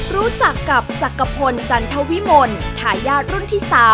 รู้จักกับจักรพลจันทวิมลทายาทรุ่นที่๓